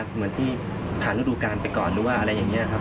เหมือนที่ผ่านฤดูการไปก่อนหรือว่าอะไรอย่างนี้ครับ